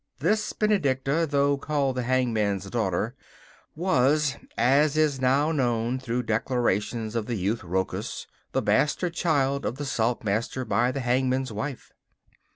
This Benedicta, though called the hangman's daughter, was (as is now known through declarations of the youth Rochus) the bastard child of the Saltmaster by the hangman's wife.